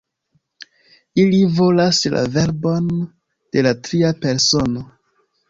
Ili volas la verbon je la tria persono.